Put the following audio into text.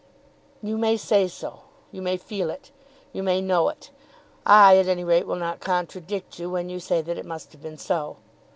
"You may think so. You may feel it. You may know it. I at any rate will not contradict you when you say that it must have been so.